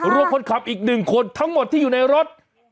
รวมคนขับอีก๑คนทั้งหมดที่อยู่ในรถ